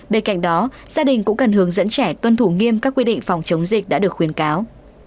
bên cạnh đó gia đình cũng cần hướng dẫn trẻ tuân thủ nghiêm các quy định phòng chống dịch đã được khuyến cáo